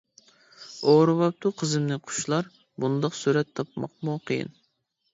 ئورىۋاپتۇ قىزىمنى قۇشلار، بۇنداق سۈرەت تاپماقمۇ قىيىن.